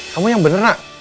kamu yang benar nak